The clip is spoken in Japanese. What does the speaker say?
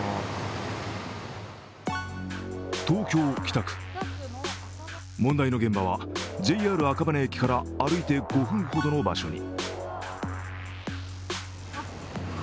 東京・北区、問題の現場はＪＲ赤羽駅から歩いて５分ほどの場所に。